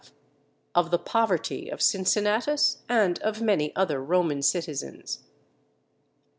—_Of the poverty of Cincinnatus and of many other Roman Citizens.